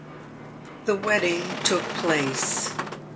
The wedding took place.